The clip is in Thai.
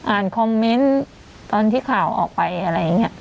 คอมเมนต์ตอนที่ข่าวออกไปอะไรอย่างนี้